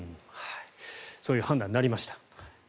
そういう判断になりました。